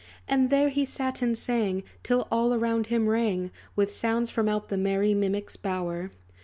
And there he sat and sang, Till all around him rang, With sounds, from out the merry mimic's bower.